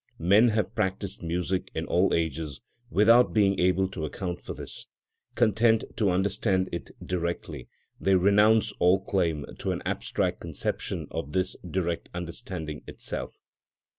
Men have practised music in all ages without being able to account for this; content to understand it directly, they renounce all claim to an abstract conception of this direct understanding itself.